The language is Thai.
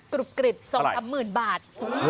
กรุบกริบสองสามหมื่นบาท